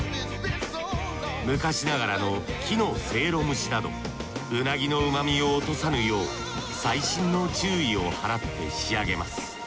昔ながらの木のせいろ蒸しなどうなぎの旨みを落とさぬよう細心の注意を払って仕上げます。